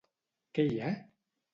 Què hi ha?